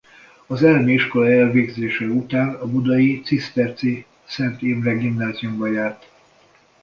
Az elemi iskola elvégzése után a Budai Ciszterci Szent Imre Gimnáziumba járt.